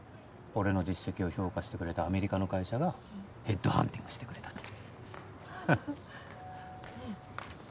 俺の実績を評価してくれたアメリカの会社がヘッドハンティングしてくれたって。